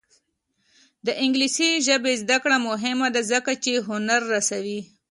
د انګلیسي ژبې زده کړه مهمه ده ځکه چې هنر رسوي.